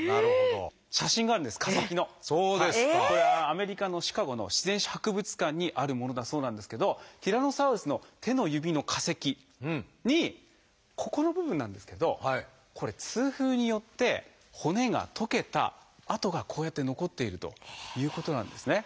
アメリカのシカゴの自然史博物館にあるものだそうなんですけどティラノサウルスの手の指の化石にここの部分なんですけどこれ痛風によって骨が溶けた痕がこうやって残っているということなんですね。